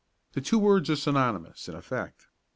The two words are synonyms in effect.